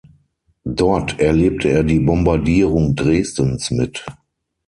Dort erlebte er die Bombardierung Dresdens mit.